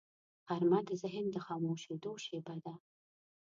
غرمه د ذهن د خاموشیدو شیبه ده